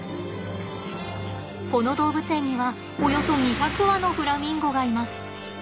この動物園にはおよそ２００羽のフラミンゴがいます。